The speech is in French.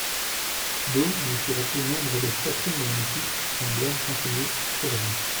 D'O lui fit rappeler l'ombre de Catherine de Médicis, son blême chancelier Cheverny.